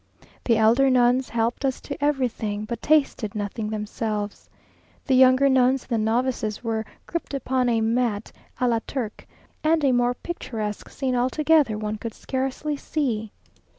The elder nuns helped us to everything, but tasted nothing themselves. The younger nuns and the novices were grouped upon a mat a la Turque, and a more picturesque scene altogether one could scarcely see.